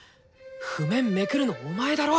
譜面めくるのお前だろ！